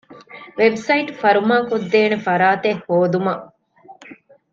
ވެބްސައިޓު ފަރުމާކޮށްދޭނެ ފަރާތެއް ހޯދުމަށް